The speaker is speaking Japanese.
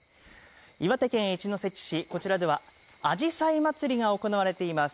岩手県一関市、こちらではあじさいまつりが行われています。